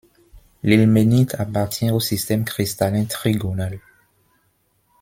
L'ilménite appartient au système cristallin trigonal.